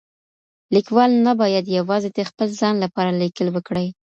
ليکوال نه بايد يوازي د خپل ځان لپاره ليکل وکړي.